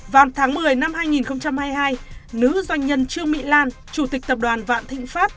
vào tháng một mươi năm hai nghìn hai mươi hai nữ doanh nhân trương mỹ lan chủ tịch tập đoàn vạn thịnh pháp